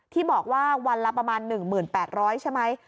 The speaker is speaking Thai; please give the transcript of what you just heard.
ที่บอกว่าวันละประมาณ๑๘๐๐ใช่ไหม